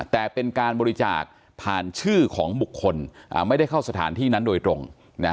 แต่เป็นการบริจาคผ่านชื่อของบุคคลไม่ได้เข้าสถานที่นั้นโดยตรง